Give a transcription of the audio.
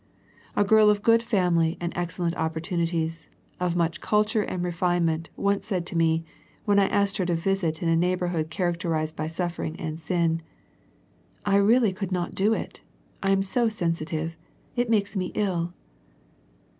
A girl of good family and excellent opportunities, of much culture and refinement once said to me, when I asked her to visit in a neighbourhood characterized by suffering and sin, " I really could not do it. I am so sensitive. It makes me ill."